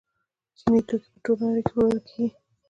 چیني توکي په ټوله نړۍ کې پلورل کیږي.